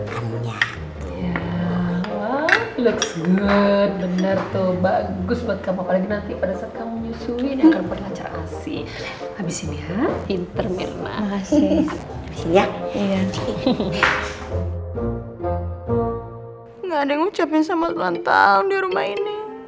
gak ada yang ngucapin sama tuan tau di rumah ini